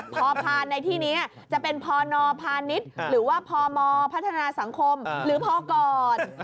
พอผ่านในที่นี้จะเป็นพนพาณิชย์หรือว่าพมพัฒนาสังคมหรือพอก่อน